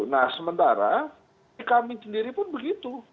nah sementara di kami sendiri pun begitu